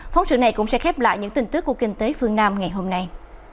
phóng sự này cũng sẽ khép lại những tin tức của kinh tế phương nam ngày hôm nay